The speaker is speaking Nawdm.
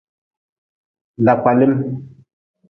Dakpalim.